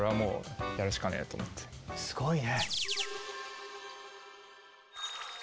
すごいね。